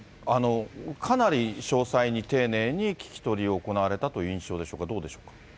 かなり詳細に、丁寧に聞き取りを行われたという印象でしょうか、どうでしょう。